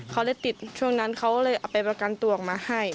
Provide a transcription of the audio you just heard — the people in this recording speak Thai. เขาเลยติดช่วงนั้นเขาเลยเอาไปประกันตัวออกมาให้